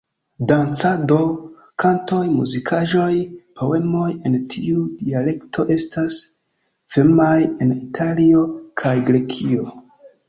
Dancado, kantoj, muzikaĵoj, poemoj en tiu dialekto estas famaj en Italio kaj Grekio.